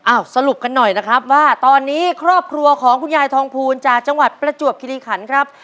สรุปกันหน่อยนะครับว่าตอนนี้ครอบครัวของคุณยายทองภูลจากจังหวัดประจวบคิริขันครับ